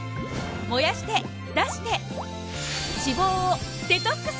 燃やして出して脂肪をデトックス！